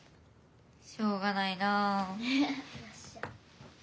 しょうがないな。